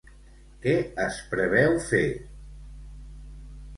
Què es preveu fer?